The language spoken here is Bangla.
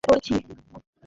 আমর বেশ ক্লান্ত হয়ে পড়েছিল।